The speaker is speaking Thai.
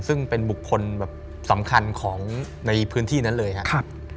ซึ่งเป็นบุคคลแบบสำคัญของในพื้นที่นั้นเลยครับ